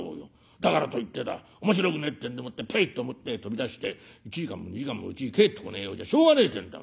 だからといってだ面白くねえってんでもってぷいと表へ飛び出して１時間も２時間もうちに帰ってこねえようじゃしょうがねえってんだ